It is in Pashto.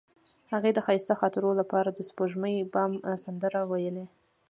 هغې د ښایسته خاطرو لپاره د سپوږمیز بام سندره ویله.